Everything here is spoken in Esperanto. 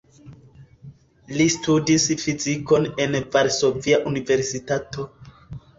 Li studis fizikon en Varsovia Universitato.